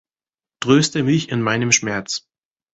Tröste mich in meinem Schmerz.